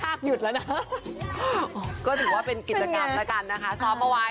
ฮ่างั้นเป็นกิจกรรมนะหละ